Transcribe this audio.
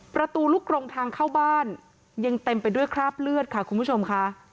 ประตูลูกกรงทางเข้าบ้านยังเต็มไปด้วยคราบเลือดค่ะคุณผู้ชมค่ะ